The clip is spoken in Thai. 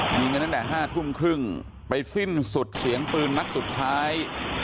ยิงกันตั้งแต่๕ทุ่มครึ่งไปสิ้นสุดเสียงปืนนัดสุดท้าย